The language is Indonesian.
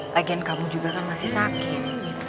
bagian kamu juga kan masih sakit